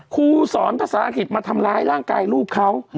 ครูสอนภาษาอังกฤษมาทำร้ายร่างกายลูกเขา